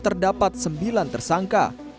terdapat sembilan tersangkutan